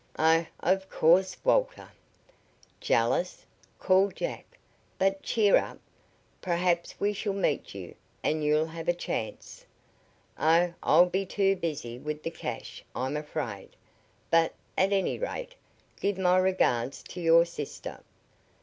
"Oh, of course Walter." "Jealous!" called Jack. "But cheer up. Perhaps we shall meet' you, and you'll have a chance." "Oh, I'll be too busy with the cash, I'm afraid. But, at any rate, give my regards to your sister."